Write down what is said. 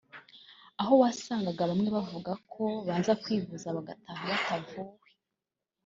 aho wasangaga bamwe bavuga ko baza kwivuza bagataha batavuwe